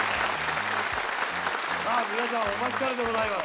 さあ皆さん、お待ちかねでございます。